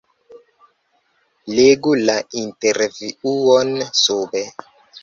Legu la intervjuon sube.